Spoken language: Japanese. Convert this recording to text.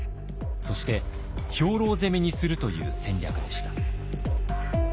そして兵糧攻めにするという戦略でした。